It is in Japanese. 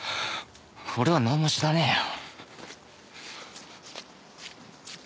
俺はなんも知らねえよ。